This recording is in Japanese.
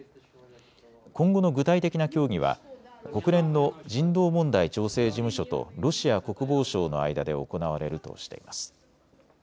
今後の具体的な協議は国連の人道問題調整事務所とロシア国防省の間で行われるとしています。